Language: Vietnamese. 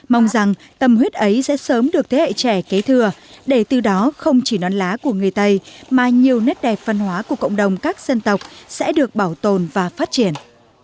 mong rằng tâm huyết ấy sẽ sớm được thế hệ trẻ kế thừa để từ đó không chỉ non lá của người tây mà nhiều nét đẹp văn hóa của cộng đồng các dân tộc sẽ được bảo tồn và phát triển